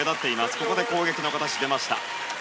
ここで攻撃の形が出ました。